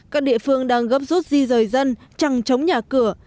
các địa phương đang gấp rút di rời dân chẳng chống nhà cửa